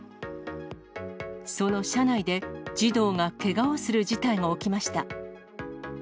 その車内で、児童がけがをする事態が起きました。